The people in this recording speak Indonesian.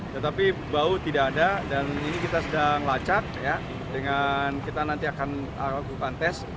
tetapi bau tidak ada dan ini kita sedang lacak dengan kita nanti akan lakukan tes